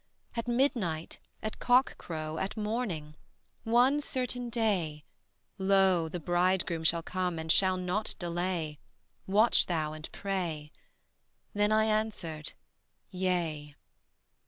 At midnight, at cock crow, at morning, one certain day Lo, the Bridegroom shall come and shall not delay: Watch thou and pray. Then I answered: Yea.